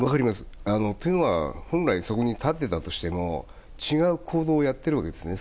というのは本来、そこに立っていたとしても違う行動をやっているわけですね